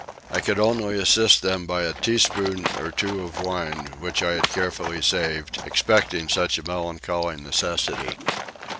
I could only assist them by a teaspoonful or two of wine which I had carefully saved, expecting such a melancholy necessity.